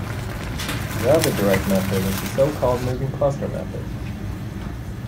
The other direct method is the so-called moving cluster method.